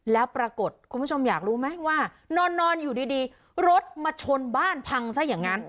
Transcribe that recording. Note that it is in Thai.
แล้วปรากฏคุณผู้ชมอยากรู้ไหมว่านอนอยู่ดีรถมาชนบ้านพังซะอย่างนั้น